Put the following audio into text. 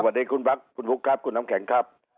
สวัสดีคุณพรักษ์คุณฟุกรัฐคุณน้ำแข็งครับ